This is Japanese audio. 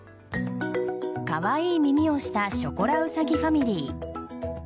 カワイイ耳をしたショコラウサギファミリー。